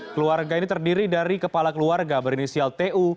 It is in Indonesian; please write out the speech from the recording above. keluarga ini terdiri dari kepala keluarga berinisial tu